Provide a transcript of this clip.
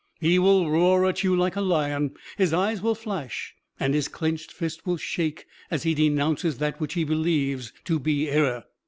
He will roar you like a lion, his eyes will flash, and his clenched fist will shake as he denounces that which he believes to be error.